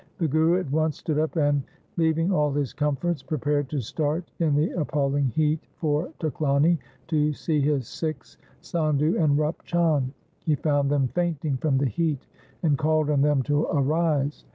The Guru at once stood up and, leaving all his comforts, prepared to start in the appalling heat for Tuklani to see his Sikhs Sadhu and Rup Chand. He found them fainting from the heat, and called on them to arise.